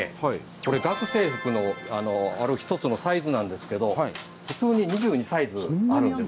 これ学生服のある一つのサイズなんですけど普通に２２サイズあるんです。